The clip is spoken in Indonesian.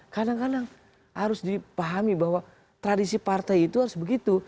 kadang kadang harus dipahami bahwa tradisi partai itu harus begitu